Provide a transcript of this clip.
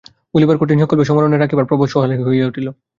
ভুলিবার কঠিন সংকল্পই সমরণে রাখিবার প্রবল সহায় হইয়া উঠিল।